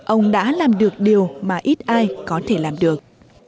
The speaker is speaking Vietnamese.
ông đã làm được điều mà ít ai có thể làm được